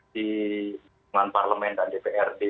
di dengan parlement dan dprd